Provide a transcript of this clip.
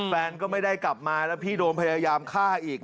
แฟนก็ไม่ได้กลับมาแล้วพี่โดนพยายามฆ่าอีก